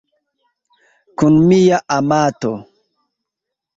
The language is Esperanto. Kun mia amato.